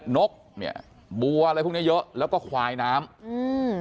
นกเนี้ยบัวอะไรพวกเนี้ยเยอะแล้วก็ควายน้ำอืม